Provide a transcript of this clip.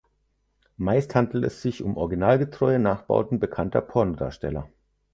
Meist handelt es sich um originalgetreue Nachbauten bekannter Pornodarsteller.